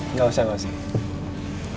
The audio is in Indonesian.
nggak usah nggak usah